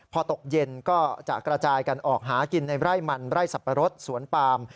พอตกเย็นก็จะกระจายกันออกหากินในไร่มันไร่สับปะรดสวนปาม